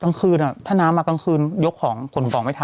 ตั้งคืนถ้าน้ำมาตั้งคืนยกของขนกล่องไม่ทัน